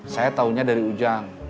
saya taunya dari ujang